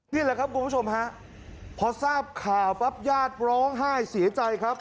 นี่แหละครับคุณผู้ชมฮะพอทราบข่าวปั๊บญาติร้องไห้เสียใจครับ